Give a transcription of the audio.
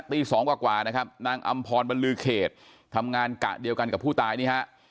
ตีสองกว่านะครับนางอำพรบรรลือเขตทำงานกะเดียวกันกับผู้ตายนี่ฮะ